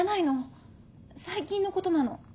最近のことなの。